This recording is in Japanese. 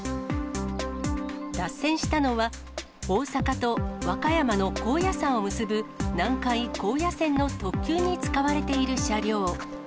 脱線したのは、大阪と和歌山の高野山を結ぶ、南海高野線の特急に使われている車両。